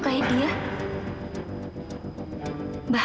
kapa dia jauh